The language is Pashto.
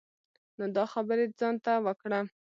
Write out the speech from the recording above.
نو دا خبری ځان ته وکړه.